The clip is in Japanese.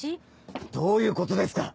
どういうことですか